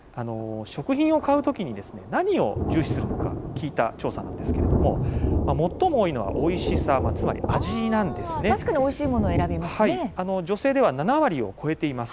食品を買うときに何を重視するのか聞いた調査なんですけれども最も多いのは、おいしさ確かに女性では７割を超えています。